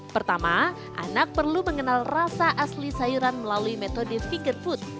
pertama anak perlu mengenal rasa asli sayuran melalui metode fikar food